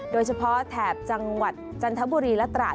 แถบจังหวัดจันทบุรีและตราด